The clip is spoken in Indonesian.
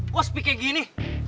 kok speak nya gini